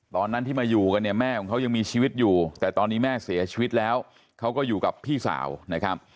ตอนนั้นที่มาอยู่กันเนี่ยแม่ของเขายังมีชีวิตอยู่แต่ตอนนี้แม่เสียชีวิตแล้วเขาก็อยู่กับพี่สาวนะครับ